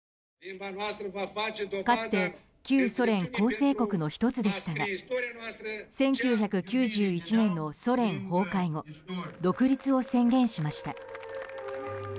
かつて旧ソ連構成国の１つでしたが１９９１年のソ連崩壊後独立を宣言しました。